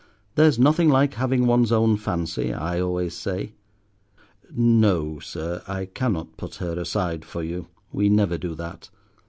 There's nothing like having one's own fancy, I always say. No, sir, I cannot put her aside for you, we never do that.